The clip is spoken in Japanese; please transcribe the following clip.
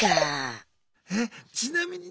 えちなみにね